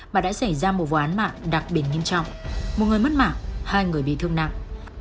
mà đã xảy ra một vụ án mạng đặc biệt nghiêm trọng một người mất mạng hai người bị thương nặng